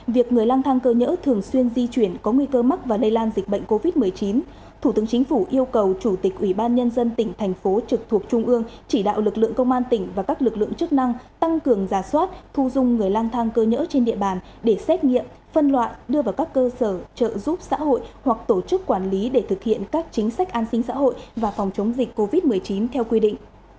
việc người lang thang cơ nhỡ thường xuyên di chuyển có nguy cơ mắc và lây lan dịch bệnh covid một mươi chín thủ tướng chính phủ yêu cầu chủ tịch ubnd tỉnh thành phố trực thuộc trung ương chỉ đạo lực lượng công an tỉnh và các lực lượng chức năng tăng cường giả soát thu dung người lang thang cơ nhỡ trên địa bàn để xét nghiệm phân loại đưa vào các cơ sở trợ giúp xã hội hoặc tổ chức quản lý để thực hiện các chính sách an sinh xã hội và phòng chống dịch covid một mươi chín theo quy định